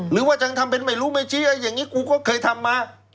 หรือว่าจะทำเป็นไม่รู้ไม่จริงอย่างนี้กูก็เคยทำมา